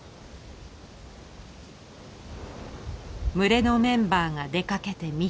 群れのメンバーが出かけて３日目。